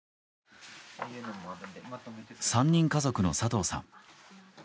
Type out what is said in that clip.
３人家族の佐藤さん。